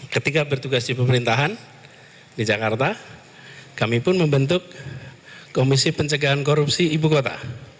ketika bertugas di pemerintahan di jakarta kami pun membentuk komisi pencegahan korupsi ibu kota